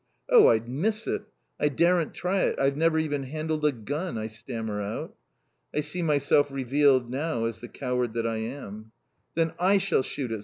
Oh! I'd miss it! I daren't try it. I've never even handled a gun!" I stammer out. I see myself revealed now as the coward that I am. "Then I shall shoot it!"